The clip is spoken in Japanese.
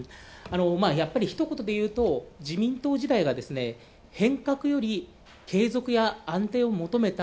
やっぱり、ひと言で言うと、自民党自体が変革より継続や安定を求めた。